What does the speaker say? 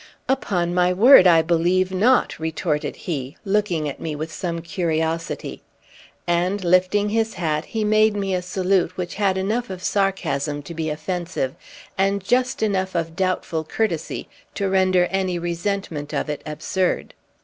"Upon my word, I believe not!" retorted he, looking at me with some curiosity; and, lifting his hat, he made me a salute which had enough of sarcasm to be offensive, and just enough of doubtful courtesy to render any resentment of it absurd.